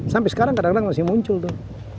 sampai sekarang kadang kadang masih muncul tuh